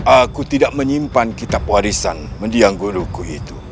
aku tidak menyimpan kitab warisan mendiang guruku itu